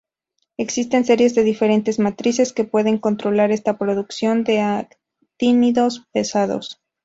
Existen series de diferentes matrices que pueden controlar esta producción de actínidos pesados.